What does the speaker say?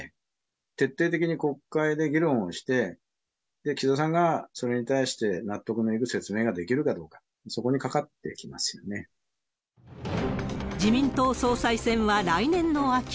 徹底的に国会で議論をして、岸田さんがそれに対して納得のいく説明ができるかに、自民党総裁選は来年の秋。